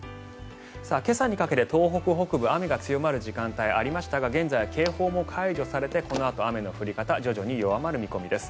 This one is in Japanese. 今朝にかけて東北北部雨が強まる時間帯がありましたが現在は警報も解除されてこのあと雨の降り方徐々に弱まる見込みです。